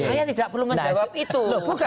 saya tidak perlu menjawab itu